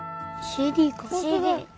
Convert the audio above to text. ＣＤ？